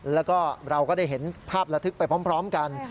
แล้วก็เราก็ได้เห็นภาพระทึกไปพร้อมกัน